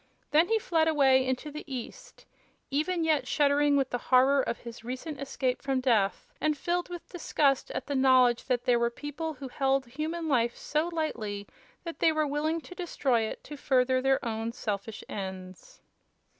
Then he fled away into the east, even yet shuddering with the horror of his recent escape from death and filled with disgust at the knowledge that there were people who held human life so lightly that they were willing to destroy it to further their own selfish ends.